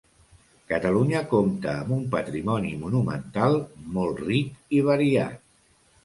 Catalunya compta amb un patrimoni monumental molt ric i variat.